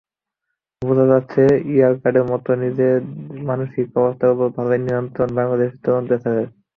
বোঝাই যাচ্ছে, ইয়র্কারের মতো নিজের মানসিক অবস্থার ওপরও ভালোই নিয়ন্ত্রণ বাংলাদেশের তরুণ পেসারের।